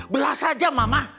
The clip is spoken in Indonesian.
belah saja mama